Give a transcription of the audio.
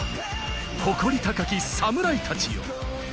誇り高き侍たちよ。